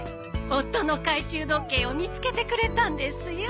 夫の懐中時計を見つけてくれたんですよ。